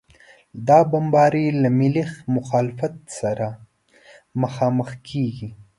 دا بمبارۍ له ملي مخالفت سره مخامخ کېږي.